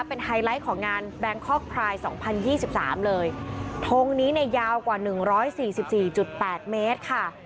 เป็นไฮไลท์ของงานแบงคอกพรายสองพันยี่สิบสามเลยทงนี้ในยาวกว่าหนึ่งร้อยสี่สิบสี่จุดแปดเมตรค่ะ